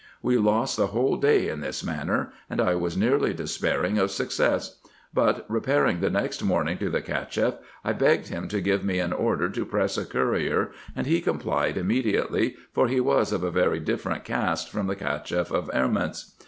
We lost the whole day in this manner, and I was nearly despairing of success ; but, repairing the next morning to the Cacheff, I begged him to give me an order to press a courier, and he complied immediately, for he was of a very different cast from the Cacheff of Erments.